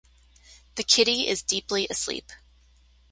The kitty is deeply asleep.